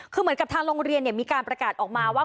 คือเหมือนกับทางโรงเรียนมีการประกาศออกมาว่า